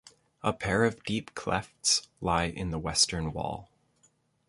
A pair of deep clefts lie in the western wall.